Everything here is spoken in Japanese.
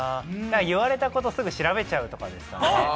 言われたことすぐ調べちゃうですかね。